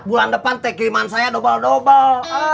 bulan depan teh kiriman saya dobel dobel